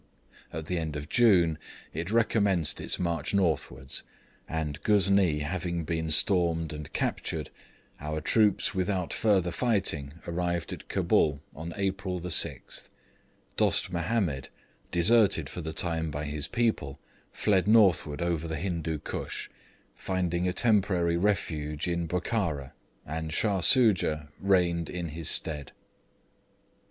At the end of June it recommenced its march northwards, and Ghuznee having been stormed and captured, our troops without further fighting arrived at Cabul on April 6. Dost Mahomed, deserted for the time by his people, fled northward over the Hindoo Koosh, finding a temporary refuge in Bokhara, and Shah Soojah reigned in his stead.